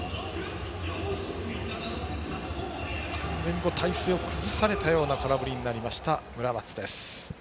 完全に体勢を崩されたような空振りになった村松でした。